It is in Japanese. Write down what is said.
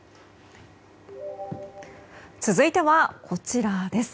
続いては、こちらです。